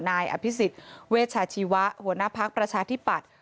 นายอภิษฎเวชาชีวะหัวหน้าพักประชาธิปัตย์